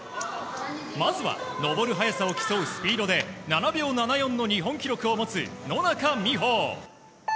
まずは、登る速さを競うスピードで７秒７４の日本記録を持つ野中生萌。